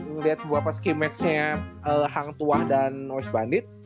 ngeliat scrim match nya hang tuah dan noize bandit